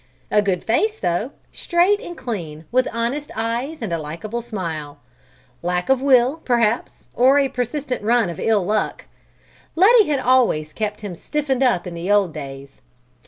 A good face, though; straight and clean, with honest eyes and a likable smile. Lack of will, perhaps, or a persistent run of ill luck. Letty had always kept him stiffened up in the old days.